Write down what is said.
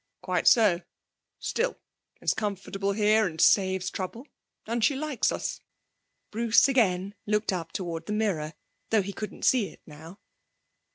'Quite so. Still, it's comfortable here, and saves trouble and she likes us.' Bruce again looked up toward the mirror, though he couldn't see it now.